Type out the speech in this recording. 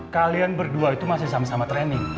kalian berdua itu masih sama sama training